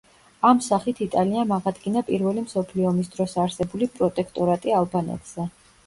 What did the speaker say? ამ სახით იტალიამ აღადგინა პირველი მსოფლიო ომის დროს არსებული პროტექტორატი ალბანეთზე.